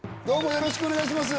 よろしくお願いします。